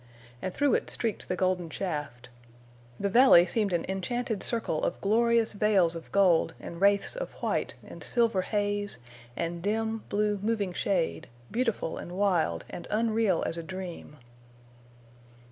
And through it streaked the golden shaft. The valley seemed an enchanted circle of glorious veils of gold and wraiths of white and silver haze and dim, blue, moving shade—beautiful and wild and unreal as a dream.